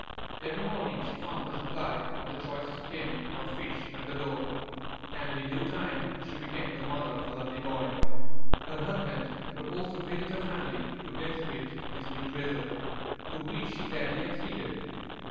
Every morning she found a supply of the choicest game or fish at the door, and in due time she became the mother of a lovely boy. Her husband proposed to visit her family to exhibit this new treasure, to which she gladly acceded.